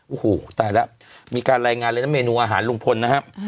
โอ้โหตายแล้วมีการรายงานเลยนะเมนูอาหารลุงพลนะครับ